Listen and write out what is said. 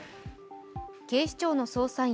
警視庁の捜査員